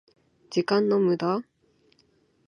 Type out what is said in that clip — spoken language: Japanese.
時間の無駄？